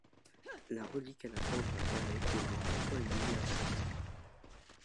La relique a la forme d'un carré qui émet parfois une lumière verte.